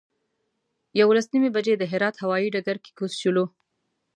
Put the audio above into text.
یولس نیمې بجې د هرات هوایي ډګر کې کوز شولو.